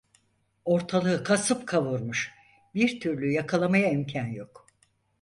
Ortalığı kasıp kavurmuş, bir türlü yakalamaya imkân yok.